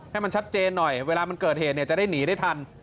ให้มันชัดเจนหน่อยเวลามันเกิดเหตุเนี่ยจะได้หนีได้ทัน